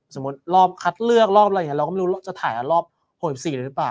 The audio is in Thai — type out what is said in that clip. สมมุติรอบคัดเลือกรอบอะไรอย่างนี้เราก็ไม่รู้จะถ่ายรอบหกสิบสี่หรือเปล่า